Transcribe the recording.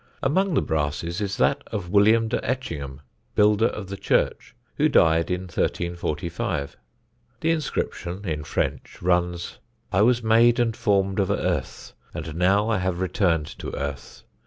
Among the brasses is that of William de Etchingham, builder of the church, who died in 1345. The inscription, in French, runs: "I was made and formed of Earth; and now I have returned to Earth.